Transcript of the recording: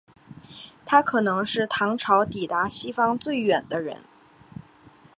他可能是唐朝抵达西方最远的人。